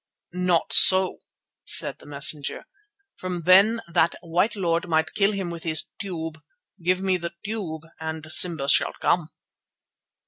"Not so," said the messenger, "for then that white lord might kill him with his tube. Give me the tube and Simba shall come."